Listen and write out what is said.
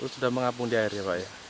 sudah mengapung di air ya pak ya